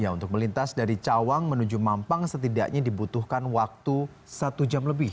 untuk melintas dari cawang menuju mampang setidaknya dibutuhkan waktu satu jam lebih